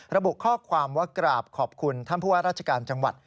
ระบุข้อความว่ากราบขอบคุณท่านผู้ว่าราชการจังหวัด